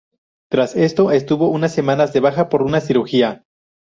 Tras esto estuvo unas semanas de baja por una cirugía.